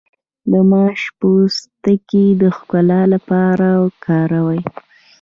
د ماش پوستکی د ښکلا لپاره وکاروئ